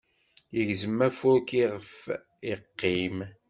Igzem afurk iɣef iqqim.